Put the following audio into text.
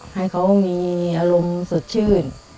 ให้เขามีอารมณ์สดชื่น